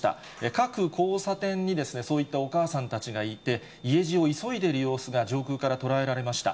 各交差点に、そういったお母さんたちがいて、家路を急いでいる様子が上空から捉えられました。